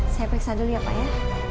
saya periksa dulu ya pak ya